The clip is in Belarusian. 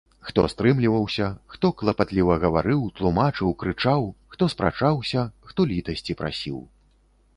Хто стрымліваўся, хто клапатліва гаварыў, тлумачыў, крычаў, хто спрачаўся, хто літасці прасіў.